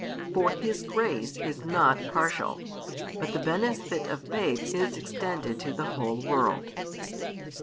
For His grace is not partial, but the benefit of faith is extended to the whole world.